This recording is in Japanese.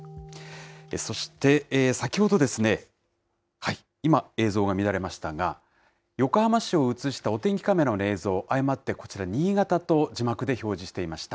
そして、先ほどですね、今、映像が乱れましたが、横浜市をうつしたお天気カメラの映像、誤ってこちら、新潟と字幕で表示していました。